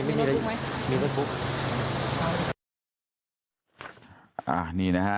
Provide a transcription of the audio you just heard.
ผมยังอยากรู้ว่าว่ามันไล่ยิงคนทำไมวะ